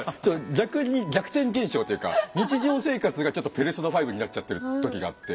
逆に逆転現象というか日常生活がちょっと「ペルソナ５」になっちゃってる時があって。